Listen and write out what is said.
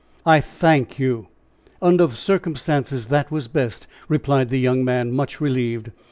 "I thank you. Under the circumstances that was best," replied the young man, much relieved.